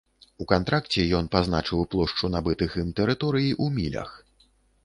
У кантракце ён пазначыў плошчу набытых ім тэрыторый у мілях.